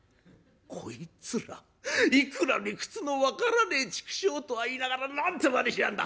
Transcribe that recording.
こいつらいくら理屈の分からねえ畜生とは言いながらなんてまねしやがんだ！